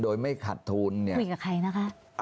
โดยไม่ขัดทุนเนี่ยคุยกับใครนะคะ